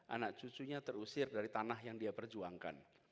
anak cucunya terusir dari tanah yang dia perjuangkan